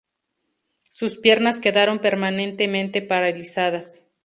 Sus piernas quedaron permanentemente paralizadas.